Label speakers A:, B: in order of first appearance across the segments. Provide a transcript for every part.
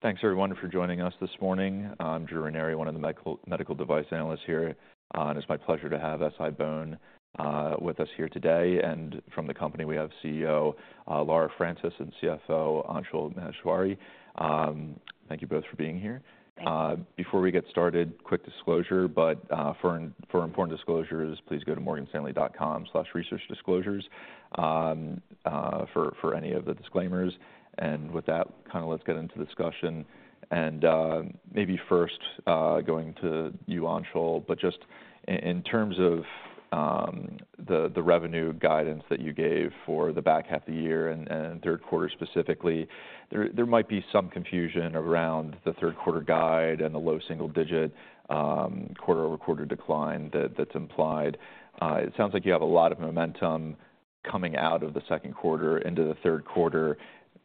A: Thanks, everyone, for joining us this morning. I'm Drew Ranieri, one of the Medical Device Analysts here, and it's my pleasure to have SI-BONE with us here today. And from the company, we have CEO; Laura Francis, and CFO; Anshul Maheshwari. Thank you both for being here.
B: Thank you.
A: Before we get started, quick disclosure, but for important disclosures, please go to morganstanley.com/researchdisclosures, for any of the disclaimers. And with that, kind of let's get into the discussion. And maybe first, going to you, Anshul, but just in terms of the revenue guidance that you gave for the back half of the year and third quarter specifically, there might be some confusion around the third quarter guide and the low single digit quarter-over-quarter decline that's implied. It sounds like you have a lot of momentum coming out of the second quarter into the third quarter,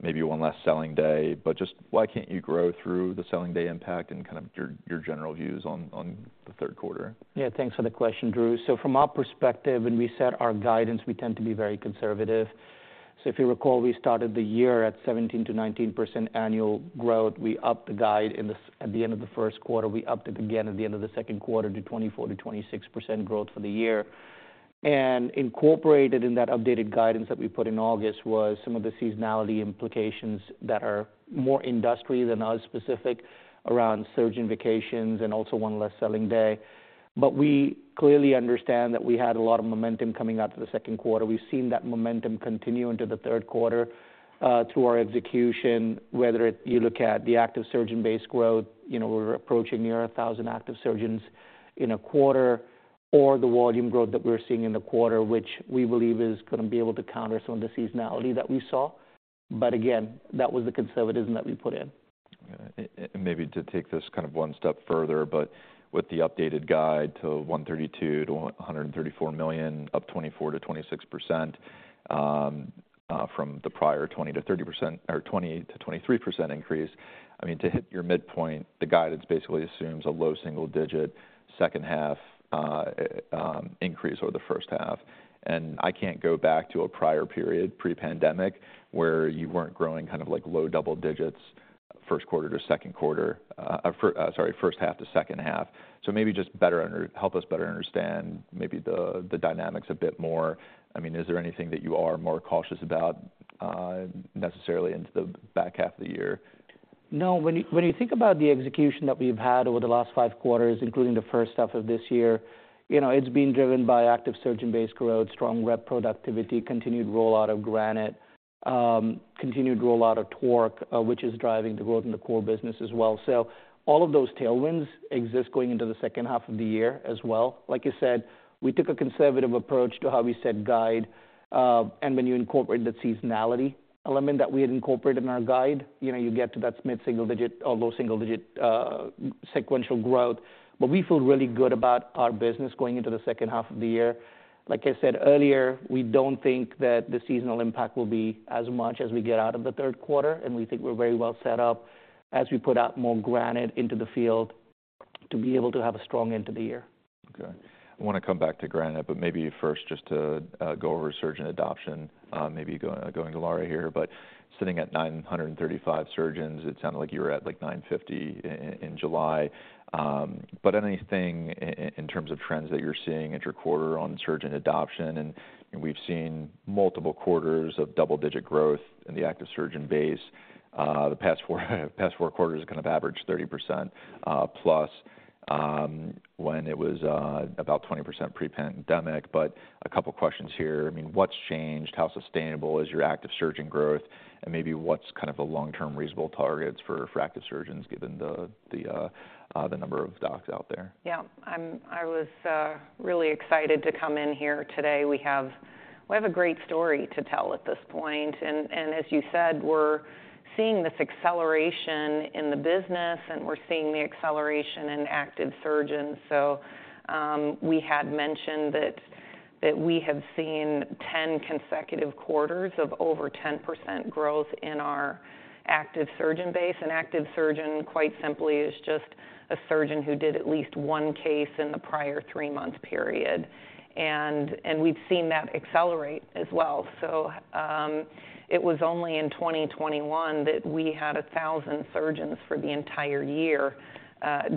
A: maybe one less selling day. But just why can't you grow through the selling day impact and kind of your general views on the third quarter?
C: Yeah, thanks for the question, Andrew. So from our perspective, when we set our guidance, we tend to be very conservative. So if you recall, we started the year at 17%-19% annual growth. We upped the guide at the end of the first quarter. We upped it again at the end of the second quarter to 24%-26% growth for the year. And incorporated in that updated guidance that we put in August was some of the seasonality implications that are more industry than us specific, around surgeon vacations and also one less selling day. But we clearly understand that we had a lot of momentum coming out to the second quarter. We've seen that momentum continue into the third quarter, through our execution, whether you look at the active surgeon base growth, you know, we're approaching near 1,000 active surgeons in a quarter, or the volume growth that we're seeing in the quarter, which we believe is going to be able to counter some of the seasonality that we saw. But again, that was the conservatism that we put in.
A: And maybe to take this kind of one step further, but with the updated guidance to $132 million-134 million, up 24%-26%, from the prior 20%-30% or 20%-23% increase, I mean, to hit your midpoint, the guidance basically assumes a low single-digit second half increase over the first half. And I can't go back to a prior period, pre-pandemic, where you weren't growing kind of like low double digits first half to second half. So maybe just help us better understand maybe the dynamics a bit more. I mean, is there anything that you are more cautious about, necessarily into the back half of the year?
C: No. When you, when you think about the execution that we've had over the last five quarters, including the first half of this year, you know, it's been driven by active surgeon-basegrowth, strong rep productivity, continued rollout of Granite, continued rollout of TORQ, which is driving the growth in the core business as well. So all of those tailwinds exist going into the second half of the year as well. Like you said, we took a conservative approach to how we set guide, and when you incorporate the seasonality element that we had incorporated in our guide, you know, you get to that mid-single digit or low single digit, sequential growth. But we feel really good about our business going into the second half of the year. Like I said earlier, we don't think that the seasonal impact will be as much as we get out of the third quarter, and we think we're very well set up as we put out more Granite into the field to be able to have a strong end to the year.
A: Okay. I want to come back to Granite, but maybe first, just to go over surgeon adoption, maybe going to Laura here. But sitting at 935 surgeons, it sounded like you were at like 950 in July. But anything in terms of trends that you're seeing at your quarter on surgeon adoption, and we've seen multiple quarters of double-digit growth in the active surgeon base. The past four quarters kind of averaged 30% plus, when it was about 20% pre-pandemic. But a couple questions here. I mean, what's changed? How sustainable is your active surgeon growth? And maybe what's kind of the long-term reasonable targets for active surgeons, given the number of docs out there?
B: Yeah. I was really excited to come in here today. We have a great story to tell at this point, and as you said, we're seeing this acceleration in the business, and we're seeing the acceleration in active surgeons. So, we had mentioned that we have seen 10 consecutive quarters of over 10% growth in our active surgeon base. An active surgeon, quite simply, is just a surgeon who did at least one case in the prior three-month period. And we've seen that accelerate as well. So, it was only in 2021 that we had 1,000 surgeons for the entire year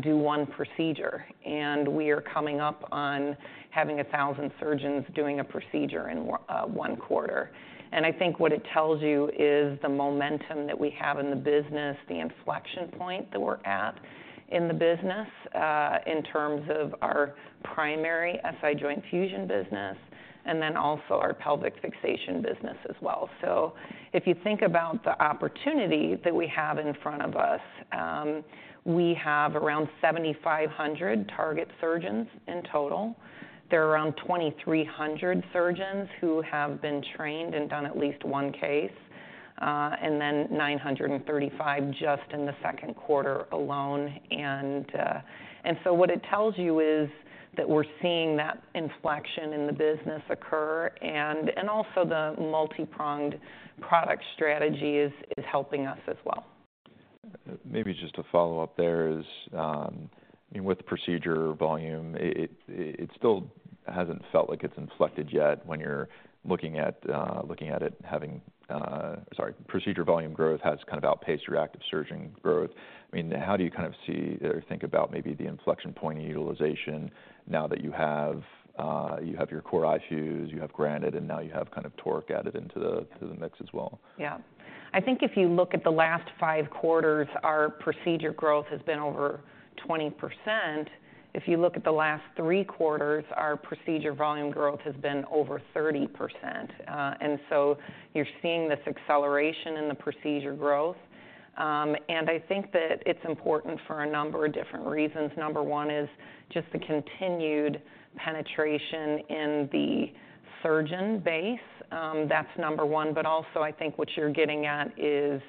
B: do one procedure, and we are coming up on having 1,000 surgeons doing a procedure in one quarter. I think what it tells you is the momentum that we have in the business, the inflection point that we're at in the business, in terms of our primary SI Joint Fusion business, and then also our Pelvic Fixation business as well. So if you think about the opportunity that we have in front of us, we have around 7,500 target surgeons in total. There are around 2,300 surgeons who have been trained and done at least one case, and then 935 just in the second quarter alone. So what it tells you is that we're seeing that inflection in the business occur, and also the multi-pronged product strategy is helping us as well.
A: Maybe just to follow up. With the procedure volume, it still hasn't felt like it's inflected yet when you're looking at it. Procedure volume growth has kind of outpaced adopting surgeon growth. I mean, how do you kind of see or think about maybe the inflection point in utilization now that you have your iFuse, you have Granite, and now you have kind of TORQ added into the mix as well?
B: Yeah. I think if you look at the last five quarters, our procedure growth has been over 20%. If you look at the last three quarters, our procedure volume growth has been over 30%. And so you're seeing this acceleration in the procedure growth. And I think that it's important for a number of different reasons. Number one is just the continued penetration in the surgeon base. That's number one. But also I think what you're getting at is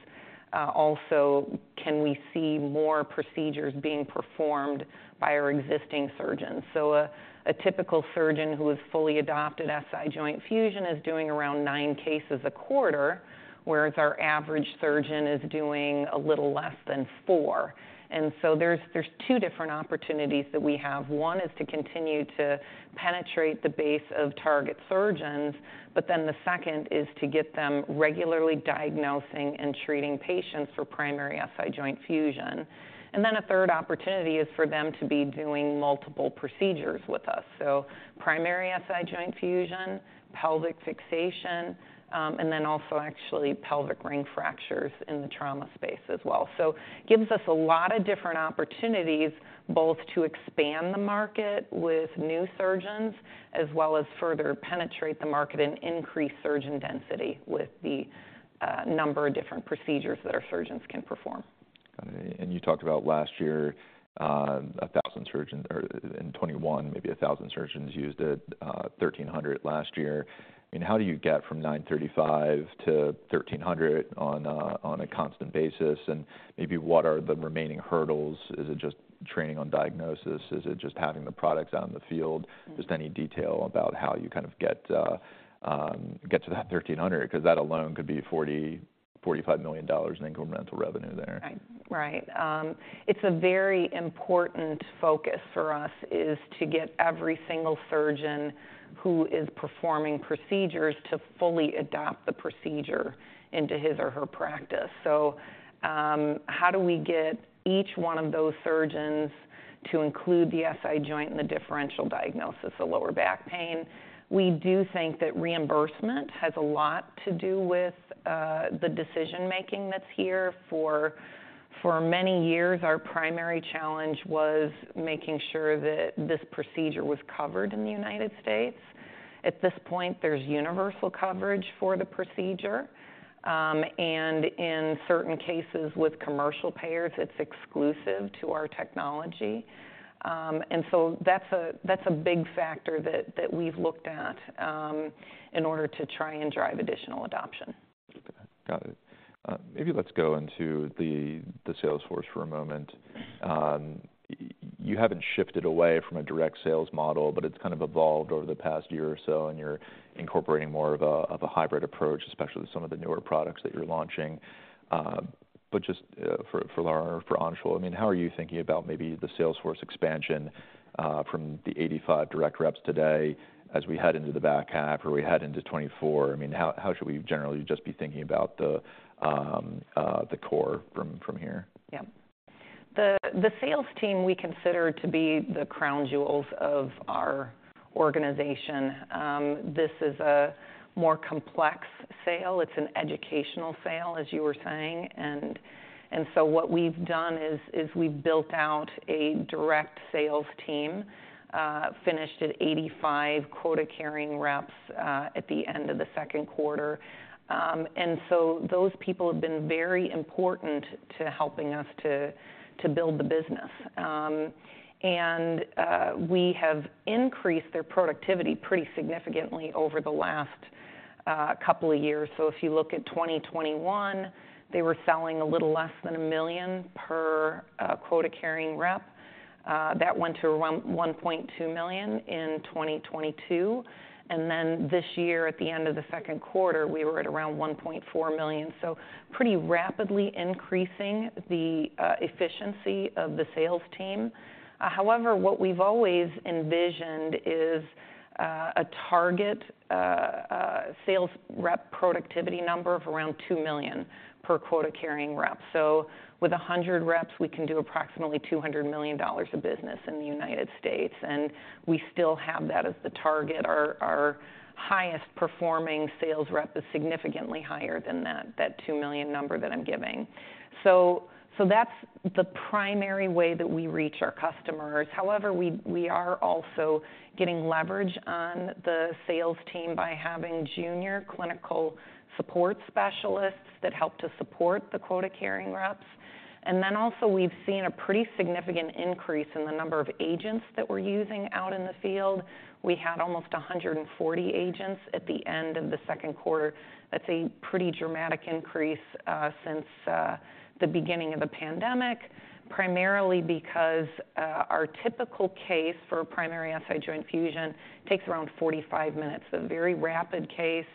B: also can we see more procedures being performed by our existing surgeons? So a typical surgeon who has fully adopted SI joint fusion is doing around nine cases a quarter, whereas our average surgeon is doing a little less than four. And so there's two different opportunities that we have. One is to continue to penetrate the base of target surgeons, but then the second is to get them regularly diagnosing and treating patients for primary SI joint fusion. Then a third opportunity is for them to be doing multiple procedures with us. So primary SI joint fusion, pelvic fixation, and then also actually pelvic ring fractures in the trauma space as well. So gives us a lot of different opportunities, both to expand the market with new surgeons, as well as further penetrate the market and increase surgeon density with the number of different procedures that our surgeons can perform.
A: Got it. And you talked about last year, a thousand surgeons, or in 2021, maybe a thousand surgeons used it, 1,300 last year. I mean, how do you get from 935 to 1,300 on a, on a constant basis? And maybe what are the remaining hurdles? Is it just training on diagnosis? Is it just having the products. Just any detail about how you kind of get to that 1,300, because that alone could be $40 million-$45 million in incremental revenue there.
B: Right. It's a very important focus for us, is to get every single surgeon who is performing procedures to fully adopt the procedure into his or her practice. So, how do we get each one of those surgeons to include the SI joint in the differential diagnosis of lower back pain? We do think that reimbursement has a lot to do with the decision making that's here. For many years, our primary challenge was making sure that this procedure was covered in the United States. At this point, there's universal coverage for the procedure, and in certain cases, with commercial payers, it's exclusive to our technology. And so that's a big factor that we've looked at in order to try and drive additional adoption.
A: Got it. Maybe let's go into the, the sales force for a moment. You haven't shifted away from a direct sales model, but it's kind of evolved over the past year or so, and you're incorporating more of a, of a hybrid approach, especially with some of the newer products that you're launching. But just, for, for Laura, for Anshul, I mean, how are you thinking about maybe the sales force expansion, from the 85 direct reps today as we head into the back half or we head into 2024? I mean, how, how should we generally just be thinking about the, the core from, from here?
B: Yeah. The sales team we consider to be the crown jewels of our organization. This is a more complex sale. It's an educational sale, as you were saying, and so what we've done is we've built out a direct sales team, finished at 85 quota-carrying reps, at the end of the second quarter. And so those people have been very important to helping us to build the business. And we have increased their productivity pretty significantly over the last couple of years. So if you look at 2021, they were selling a little less than $1 million per quota-carrying rep. That went to around $1.2 million in 2022, and then this year, at the end of the second quarter, we were at around $1.4 million. So pretty rapidly increasing the efficiency of the sales team. However, what we've always envisioned is a target sales rep productivity number of around $2 million per quota-carrying rep. So with 100 reps, we can do approximately $200 million of business in the United States, and we still have that as the target. Our highest performing sales rep is significantly higher than that two million number that I'm giving. So that's the primary way that we reach our customers. However, we are also getting leverage on the sales team by having junior clinical support specialists that help to support the quota-carrying reps. And then also, we've seen a pretty significant increase in the number of agents that we're using out in the field. We had almost 140 agents at the end of the second quarter. That's a pretty dramatic increase, since the beginning of the pandemic, primarily because our typical case for primary SI Joint Fusion takes around 45 minutes. A very rapid case,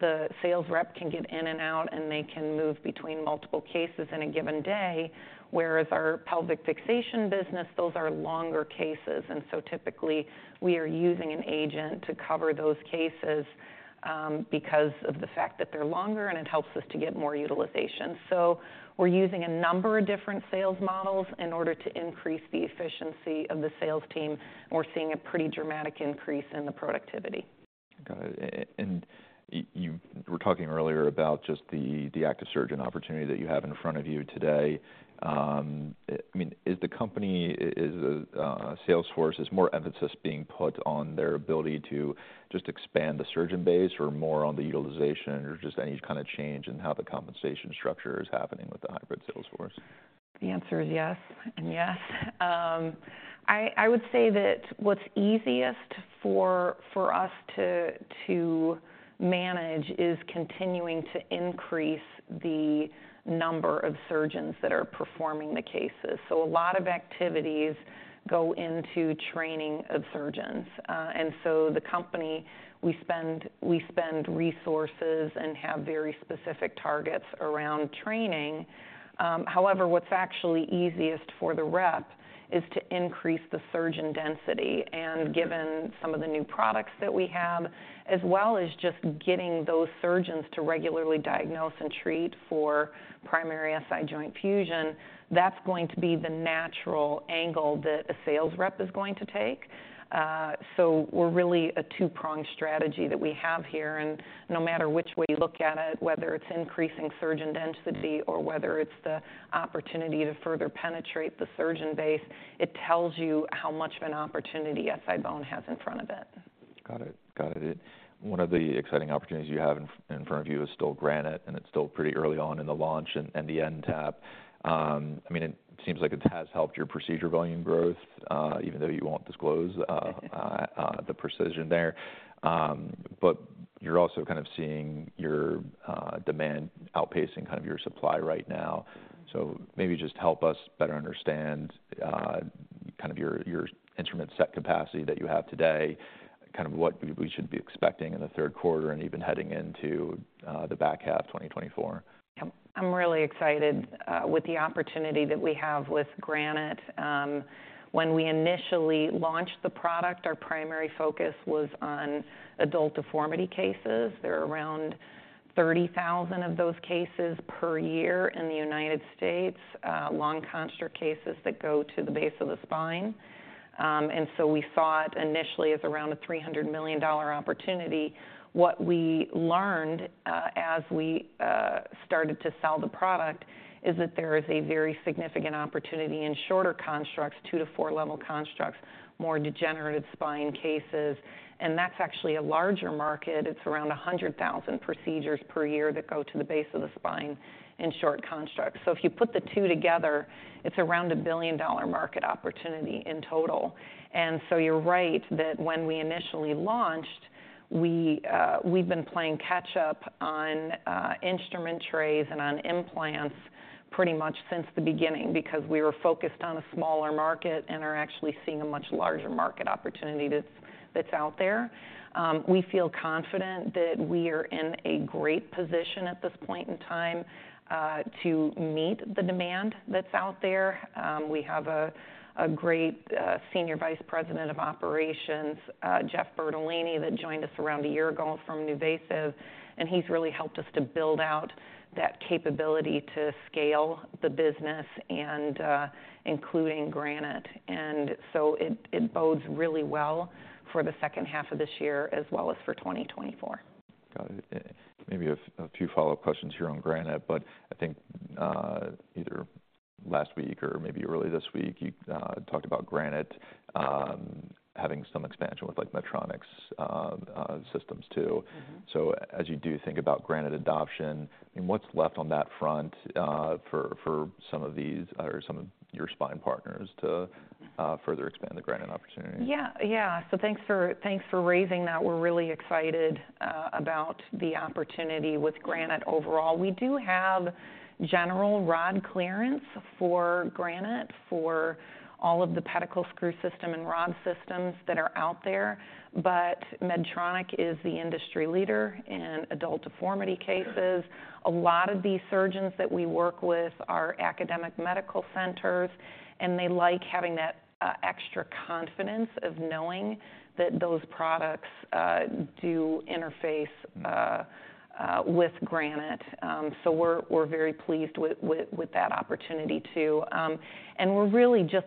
B: the sales rep can get in and out, and they can move between multiple cases in a given day, whereas our Pelvic Fixation business, those are longer cases, and so typically, we are using an agent to cover those cases because of the fact that they're longer, and it helps us to get more utilization. So we're using a number of different sales models in order to increase the efficiency of the sales team, and we're seeing a pretty dramatic increase in the productivity.
A: Got it. And you were talking earlier about just the active surgeon opportunity that you have in front of you today. I mean, is the company sales force, is more emphasis being put on their ability to just expand the surgeon base or more on the utilization? Or just any kind of change in how the compensation structure is happening with the hybrid sales force?
B: The answer is yes and yes. I would say that what's easiest for us to manage is continuing to increase the number of surgeons that are performing the cases. So a lot of activities go into training of surgeons. And so the company, we spend resources and have very specific targets around training. However, what's actually easiest for the rep is to increase the surgeon density, and given some of the new products that we have, as well as just getting those surgeons to regularly diagnose and treat for primary SI joint fusion, that's going to be the natural angle that a sales rep is going to take. So we're really a two-pronged strategy that we have here, and no matter which way you look at it, whether it's increasing surgeon density or whether it's the opportunity to further penetrate the surgeon base, it tells you how much of an opportunity SI-BONE has in front of it.
A: Got it. One of the exciting opportunities you have in front of you is still Granite, and it's still pretty early on in the launch and the NTAP. I mean, it seems like it has helped your procedure volume growth, even though you won't disclose the precision there. But you're also kind of seeing your demand outpacing kind of your supply right now. So maybe just help us better understand kind of your instrument set capacity that you have today, kind of what we should be expecting in the third quarter and even heading into the back half of 2024.
B: Yep. I'm really excited with the opportunity that we have with Granite. When we initially launched the product, our primary focus was on adult deformity cases. There are around 30,000 of those cases per year in the United States, long construct cases that go to the base of the spine. And so we saw it initially as around a $300 million opportunity. What we learned as we started to sell the product is that there is a very significant opportunity in shorter constructs, two-four-level constructs, more degenerative spine cases, and that's actually a larger market. It's around 100,000 procedures per year that go to the base of the spine in short constructs. So if you put the two together, it's around a billion-dollar market opportunity in total. You're right that when we initially launched, we've been playing catch-up on instrument trays and on implants pretty much since the beginning because we were focused on a smaller market and are actually seeing a much larger market opportunity that's out there. We feel confident that we are in a great position at this point in time to meet the demand that's out there. We have a great Senior Vice President of Operations, Jeff Bertolini, that joined us around a year ago from NuVasive, and he's really helped us to build out that capability to scale the business and including Granite. It bodes really well for the second half of this year, as well as for 2024.
A: Got it. Maybe a few follow-up questions here on Granite, but I think, either last week or maybe early this week, you talked about Granite having some expansion with, like, Medtronic's systems, too.
B: Mm-hmm.
A: So as you do think about Granite adoption, I mean, what's left on that front, for some of these or some of your spine partners to further expand the Granite opportunity?
B: Yeah. So thanks for raising that. We're really excited about the opportunity with Granite overall. We do have general rod clearance for Granite, for all of the pedicle screw system and rod systems that are out there. But Medtronic is the industry leader in adult deformity cases. A lot of these surgeons that we work with are academic medical centers, and they like having that extra confidence of knowing that those products do interface with Granite. So we're very pleased with that opportunity, too. And we're really just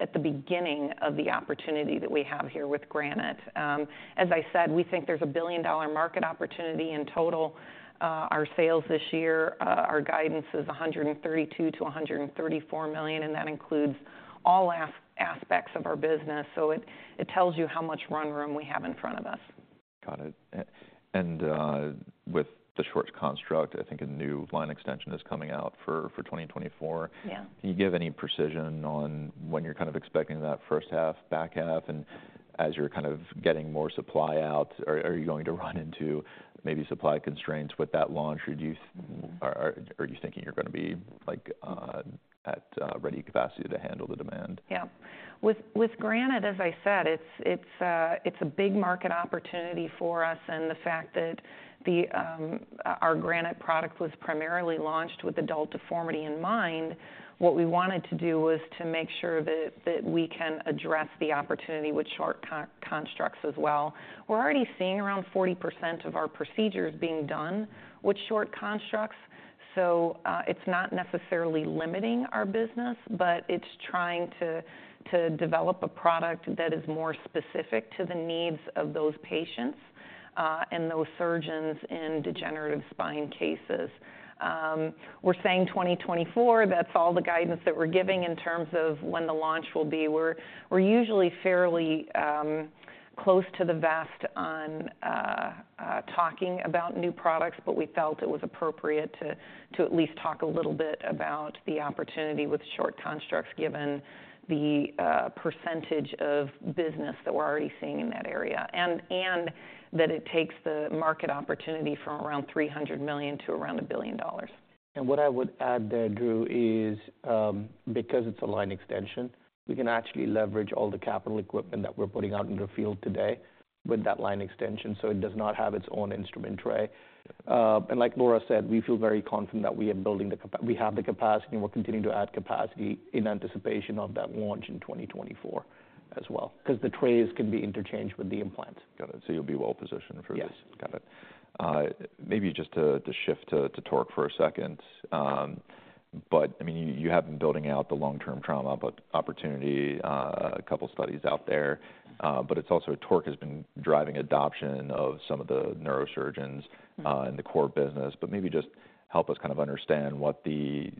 B: at the beginning of the opportunity that we have here with Granite. As I said, we think there's a billion-dollar market opportunity in total. Our sales this year, our guidance is $132 -134 million, and that includes all aspects of our business, so it, it tells you how much run room we have in front of us.
A: Got it. And with the short construct, I think a new line extension is coming out for 2024.
B: Yeah.
A: Can you give any precision on when you're kind of expecting that first half, back half? And as you're kind of getting more supply out, are you going to run into maybe supply constraints with that launch, would you-
B: Mm-hmm.
A: Or are you thinking you're going to be, like, at ready capacity to handle the demand?
B: Yeah. With Granite, as I said, it's a big market opportunity for us, and the fact that our Granite product was primarily launched with adult deformity in mind, what we wanted to do was to make sure that we can address the opportunity with short constructs as well. We're already seeing around 40% of our procedures being done with short constructs. So, it's not necessarily limiting our business, but it's trying to develop a product that is more specific to the needs of those patients and those surgeons in degenerative spine cases. We're saying 2024, that's all the guidance that we're giving in terms of when the launch will be. We're usually fairly close to the vest on talking about new products, but we felt it was appropriate to at least talk a little bit about the opportunity with short constructs, given the percentage of business that we're already seeing in that area. And that it takes the market opportunity from around $300 million to around $1 billion.
C: And what I would add there, Drew, is, because it's a line extension, we can actually leverage all the capital equipment that we're putting out into the field today with that line extension, so it does not have its own instrument tray. And like Laura said, we feel very confident that we are building the capacity, and we have the capacity, and we're continuing to add capacity in anticipation of that launch in 2024 as well, because the trays can be interchanged with the implants.
A: Got it, so you'll be well positioned for this?
C: Yes.
A: Got it. Maybe just to shift to TORQ for a second. But, I mean, you have been building out the long-term trauma but opportunity, a couple studies out there, but it's also TORQ has been driving adoption of some of the neurosurgeons-
B: Mm-hmm.
A: in the core business. But maybe just help us kind of understand what the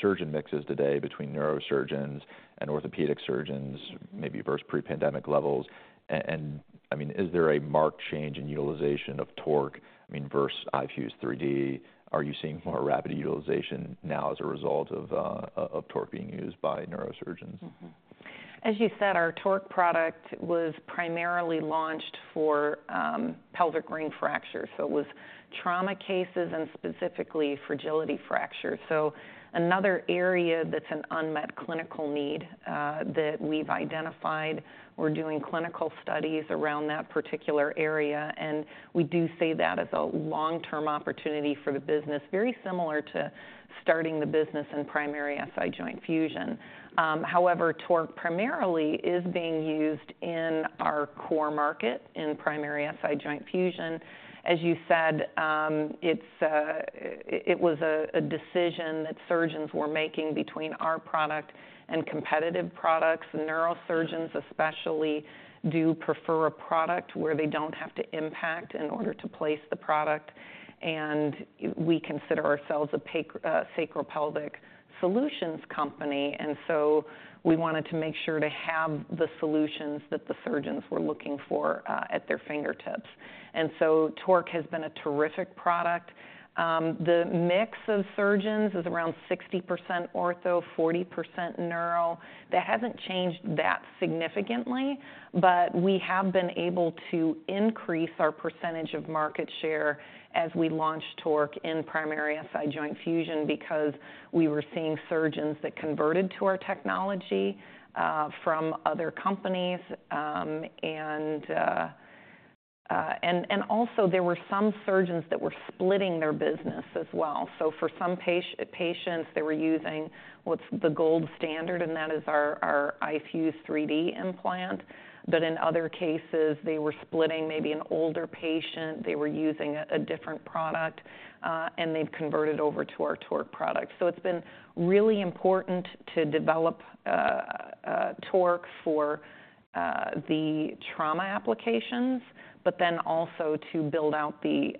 A: surgeon mix is today between neurosurgeons and orthopedic surgeons-
B: Mm-hmm.
A: maybe versus pre-pandemic levels. And, I mean, is there a marked change in utilization of TORQ, I mean, versus iFuse 3D? Are you seeing more rapid utilization now as a result of TORQ being used by neurosurgeons?
B: Mm-hmm. As you said, our Torque product was primarily launched for pelvic ring fractures, so it was trauma cases and specifically fragility fractures. So another area that's an unmet clinical need that we've identified. We're doing clinical studies around that particular area, and we do see that as a long-term opportunity for the business, very similar to starting the business in primary SI Joint Fusion. However, Torque primarily is being used in our core market, in primary SI Joint Fusion. As you said, it was a decision that surgeons were making between our product and competitive products. Neurosurgeons especially do prefer a product where they don't have to impact in order to place the product, and we consider ourselves an SI sacropelvic solutions company, and so we wanted to make sure to have the solutions that the surgeons were looking for at their fingertips. And so Torque has been a terrific product. The mix of surgeons is around 60% ortho, 40% neuro. That hasn't changed that significantly, but we have been able to increase our percentage of market share as we launch Torque in primary SI joint fusion, because we were seeing surgeons that converted to our technology from other companies. And also there were some surgeons that were splitting their business as well. So for some patients, they were using what's the gold standard, and that is our iFuse 3D implant, but in other cases, they were splitting maybe an older patient, they were using a different product, and they've converted over to our TORQ product. So it's been really important to develop TORQ for the trauma applications, but then also to build out the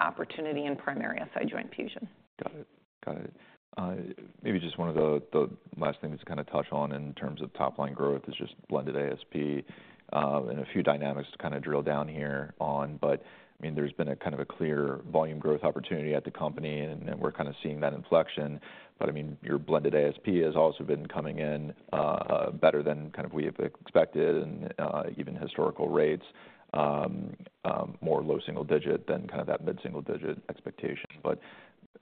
B: opportunity in primary SI joint fusion.
A: Got it. Got it. Maybe just one of the last things to kind of touch on in terms of top-line growth is just blended ASP, and a few dynamics to kind of drill down here on. But, I mean, there's been a kind of a clear volume growth opportunity at the company, and we're kind of seeing that inflection. But I mean, your blended ASP has also been coming in better than kind of we have expected and even historical rates, more low single digit than kind of that mid-single digit expectation. But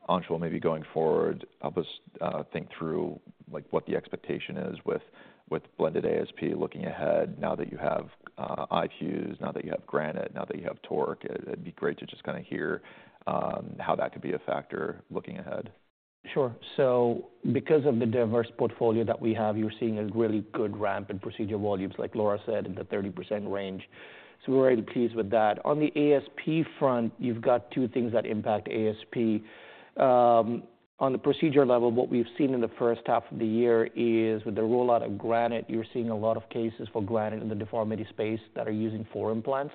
A: Anshul, maybe going forward, help us think through, like, what the expectation is with blended ASP looking ahead now that you have iFuse, now that you have Granite, now that you have TORQ. It'd be great to just kind of hear how that could be a factor looking ahead.
C: Sure. So because of the diverse portfolio that we have, you're seeing a really good ramp in procedure volumes, like Laura said, in the 30% range. So we're very pleased with that. On the ASP front, you've got two things that impact ASP. On the procedure level, what we've seen in the first half of the year is, with the rollout of Granite, you're seeing a lot of cases for Granite in the deformity space that are using 4 implants.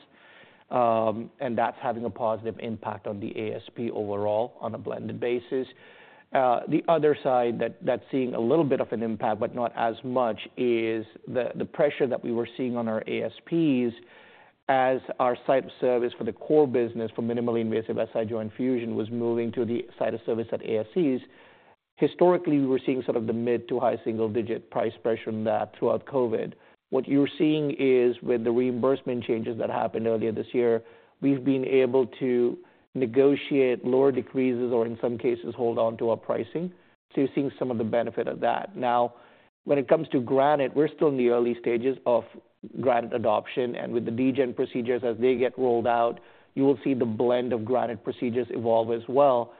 C: And that's having a positive impact on the ASP overall on a blended basis. The other side that's seeing a little bit of an impact, but not as much, is the pressure that we were seeing on our ASPs as our site of service for the core business, for minimally invasive SI joint fusion, was moving to the site of service at ASCs. Historically, we were seeing sort of the mid- to high-single-digit price pressure on that throughout COVID. What you're seeing is, with the reimbursement changes that happened earlier this year, we've been able to negotiate lower decreases or in some cases, hold on to our pricing. So you're seeing some of the benefit of that. Now, when it comes to Granite, we're still in the early stages of Granite adoption, and with the degen procedures, as they get rolled out, you will see the blend of Granite procedures evolve as well.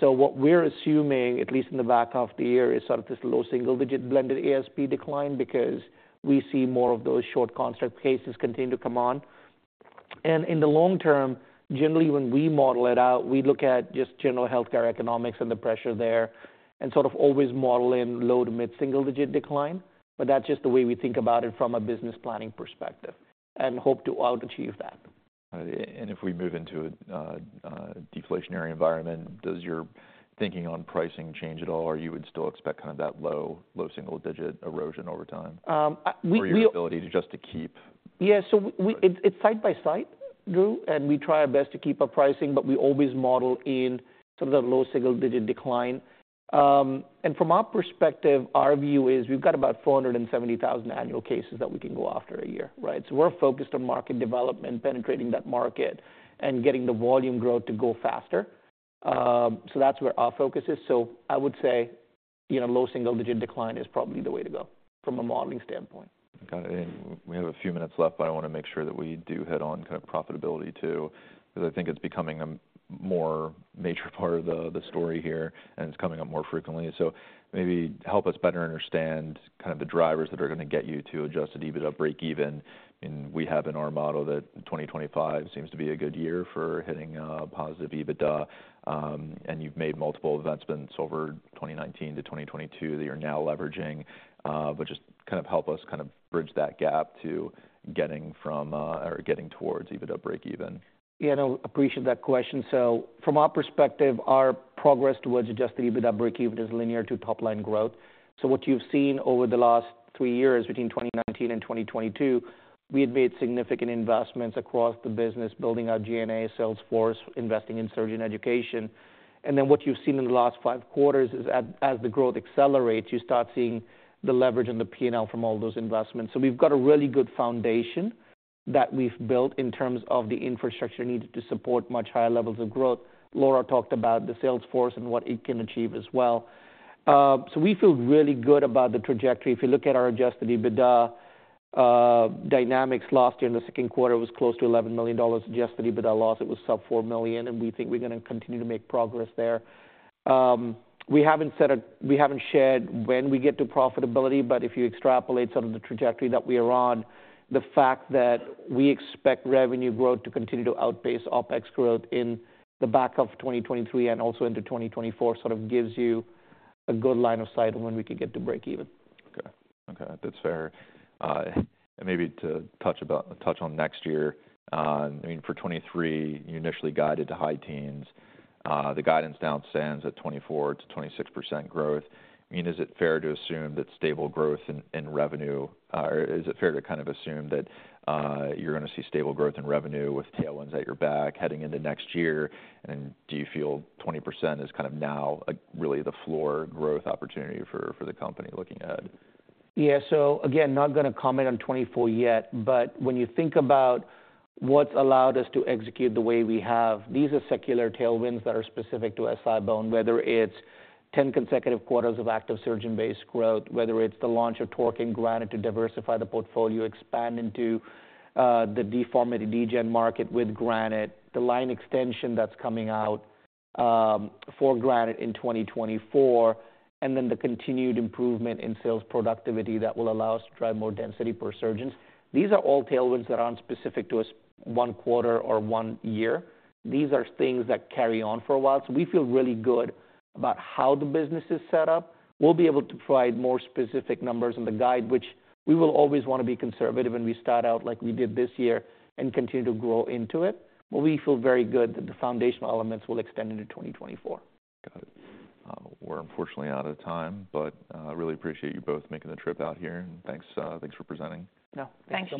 C: So what we're assuming, at least in the back half of the year, is sort of this low-single-digit blended ASP decline, because we see more of those short construct cases continue to come on. In the long term, generally, when we model it out, we look at just general healthcare economics and the pressure there, and sort of always model in low to mid-single-digit decline. That's just the way we think about it from a business planning perspective, and hope to out-achieve that.
A: And if we move into a deflationary environment, does your thinking on pricing change at all, or you would still expect kind of that low single-digit erosion over time?
C: We—
A: Or your ability to just keep-
C: Yeah, so it's, it's side by side, Drew, and we try our best to keep up pricing, but we always model in sort of the low single-digit decline. And from our perspective, our view is we've got about 470,000 annual cases that we can go after a year, right? So we're focused on market development, penetrating that market, and getting the volume growth to go faster. So that's where our focus is. So I would say, you know, low single-digit decline is probably the way to go from a modeling standpoint.
A: Got it. And we have a few minutes left, but I want to make sure that we do hit on kind of profitability, too, because I think it's becoming a more major part of the story here, and it's coming up more frequently. So maybe help us better understand kind of the drivers that are going to get you to adjusted EBITDA breakeven. And we have in our model that 2025 seems to be a good year for hitting positive EBITDA, and you've made multiple investments over 2019 to 2022 that you're now leveraging. But just kind of help us kind of bridge that gap to getting from or getting towards EBITDA breakeven.
C: Yeah, no, appreciate that question. So from our perspective, our progress towards adjusted EBITDA breakeven is linear to top-line growth. So what you've seen over the last three years, between 2019 and 2022, we had made significant investments across the business, building our G&A sales force, investing in surgeon education. And then what you've seen in the last five quarters is as the growth accelerates, you start seeing the leverage in the P&L from all those investments. So we've got a really good foundation that we've built in terms of the infrastructure needed to support much higher levels of growth. Laura talked about the sales force and what it can achieve as well. So we feel really good about the trajectory. If you look at our adjusted EBITDA dynamics last year in the second quarter, it was close to $11 million. Adjusted EBITDA loss, it was sub $4 million, and we think we're going to continue to make progress there. We haven't shared when we get to profitability, but if you extrapolate some of the trajectory that we are on, the fact that we expect revenue growth to continue to outpace OpEx growth in the back of 2023 and also into 2024, sort of gives you a good line of sight on when we could get to breakeven.
A: Okay. Okay, that's fair. And maybe to touch on next year, I mean, for 2023, you initially guided to high teens. The guidance now stands at 24%-26% growth. I mean, is it fair to assume that stable growth in revenue, or is it fair to kind of assume that you're going to see stable growth in revenue with tailwinds at your back heading into next year? And do you feel 20% is kind of now, like, really the floor growth opportunity for the company looking ahead?
C: Yeah. So again, not going to comment on 2024 yet, but when you think about what's allowed us to execute the way we have, these are secular tailwinds that are specific to SI-BONE, whether it's 10 consecutive quarters of active surgeon-based growth, whether it's the launch of Torque and Granite to diversify the portfolio, expand into the deformity degen market with Granite, the line extension that's coming out for Granite in 2024, and then the continued improvement in sales productivity that will allow us to drive more density per surgeons. These are all tailwinds that aren't specific to us one quarter or one year. These are things that carry on for a while. So we feel really good about how the business is set up. We'll be able to provide more specific numbers in the guide, which we will always want to be conservative when we start out, like we did this year, and continue to grow into it. But we feel very good that the foundational elements will extend into 2024.
A: Got it. We're unfortunately out of time, but, I really appreciate you both making the trip out here, and thanks, thanks for presenting.
C: No, thank you.